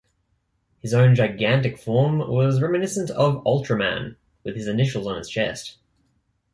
His own gigantic form was reminiscent of Ultraman with his initials on his chest.